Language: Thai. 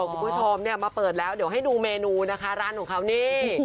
คุณผู้ชมเนี่ยมาเปิดแล้วเดี๋ยวให้ดูเมนูนะคะร้านของเขานี่